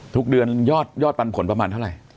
ทุกเดือนยอดปันผลประมาณเท่าไหร่